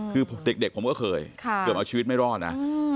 คือเด็กผมก็เคยเกือบเอาชีวิตไม่รอดนะ